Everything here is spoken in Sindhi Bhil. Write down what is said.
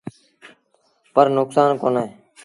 پر نڪسآݩ ڪونهي۔